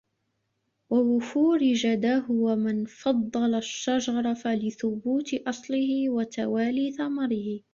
وَوُفُورِ جَدَاهُ وَمَنْ فَضَّلَ الشَّجَرَ فَلِثُبُوتِ أَصْلِهِ وَتَوَالِي ثَمَرِهِ